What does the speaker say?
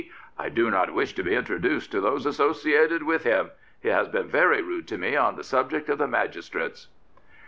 " I do not wish to be introduced to those associated with him. He has been very rude to me on the subject of the magistrates.